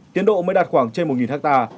tiến độ mới đạt khoảng trên một hectare